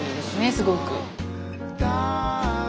すごく。